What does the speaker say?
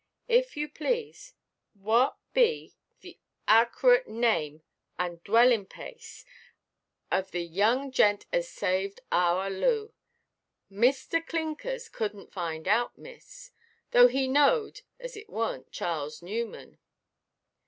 If you please, what be the arkerate name and dwellinʼ–place of the young gent as saved our Loo? Mr. Clinkers couldnʼt find out, miss, though he knowed as it warnʼt 'Charles Newman.